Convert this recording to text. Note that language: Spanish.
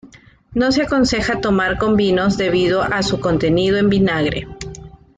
No se aconseja tomar con vinos debido a su contenido en vinagre.